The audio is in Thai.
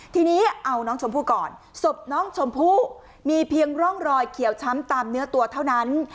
ทีนี้เอาน้องชมพู่ก่อนศพน้องชมพู่มีเพียงร่องรอยเขียวช้ำตามเนื้อตัวเท่านั้น